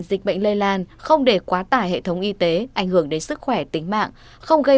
dịch bệnh lây lan không để quá tải hệ thống y tế ảnh hưởng đến sức khỏe tính mạng không gây